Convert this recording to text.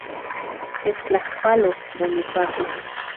Techtlajpalo, Bonifacio.